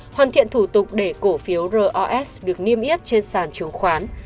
hoàn thiện thủ tục để cổ phiếu ros được niêm yết trên sàn chứng khoán